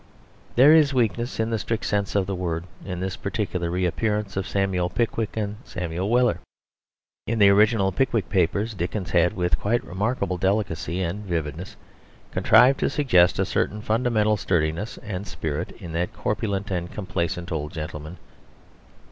There is weakness in the strict sense of the word in this particular reappearance of Samuel Pickwick and Samuel Weller. In the original Pickwick Papers Dickens had with quite remarkable delicacy and vividness contrived to suggest a certain fundamental sturdiness and spirit in that corpulent and complacent old gentleman.